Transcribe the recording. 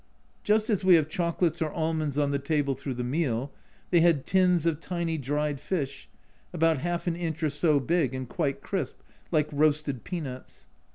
Just as we have chocolates or almonds on the table through the meal, they had tins of tiny dried fish, about half an inch or so big and quite crisp, like roasted pea nuts.